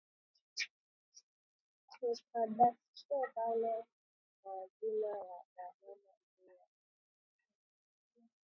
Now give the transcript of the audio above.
Ku cadastre bana lombbesha ma jina ya ba mama njuya ku ba kachiya ma pango